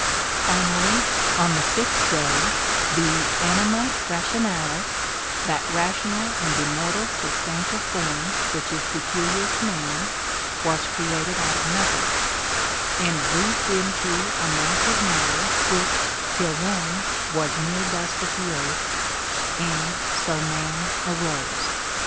Finally, on the sixth day, the anima ralionalis — that rational and immortal substantial form which is peculiar to man — was created out of nothing, and 'breathed into* a mass of matter which, till then, was mere dust of the earth, and so man arose.